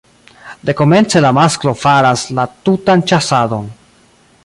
Dekomence la masklo faras la tutan ĉasadon.